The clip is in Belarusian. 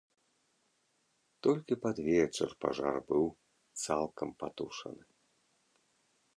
Толькі пад вечар пажар быў цалкам патушаны.